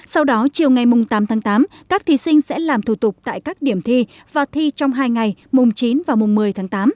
sau đó chiều ngày tám tháng tám các thí sinh sẽ làm thủ tục tại các điểm thi và thi trong hai ngày mùng chín và mùng một mươi tháng tám